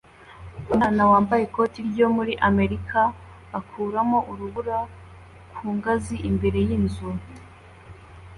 Umwana wambaye ikoti ryo muri Amerika akuramo urubura ku ngazi imbere yinzu